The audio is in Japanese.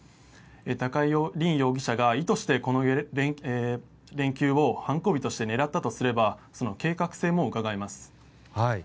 高井凜容疑者が意図してこの連休を犯行日として狙ったとすればその計画性もうかがえます。